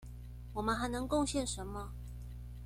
我們還能貢獻什麼？